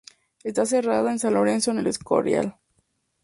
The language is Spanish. Está enterrada en San Lorenzo de El Escorial.